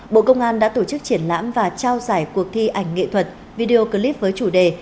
bộ công an đã tổ chức triển lãm và trao giải cuộc thi ảnh nghệ thuật video clip với chủ đề